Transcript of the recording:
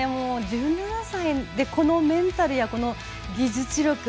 １７歳でこのメンタルや技術力